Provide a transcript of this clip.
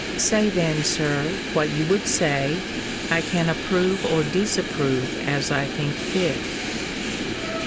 Say then, Sir, what you would say. I can approve or disapprove, as I think fit.